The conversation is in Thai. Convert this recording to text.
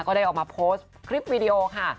ก็ได้ออกมาโพสต์คลิปวิดีโอค่ะ